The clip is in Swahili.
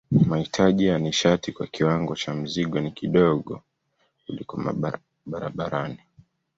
Mahitaji ya nishati kwa kiwango cha mzigo ni kidogo kuliko barabarani.